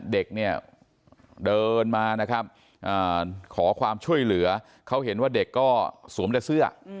เด็กเดินมาขอความช่วยเหลือเขาเห็นว่าเด็กก็สวมแต่เสื้อ